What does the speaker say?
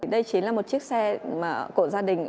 đây chính là một chiếc xe của gia đình